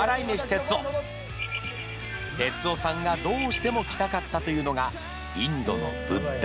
哲夫さんがどうしても来たかったというのがインドの。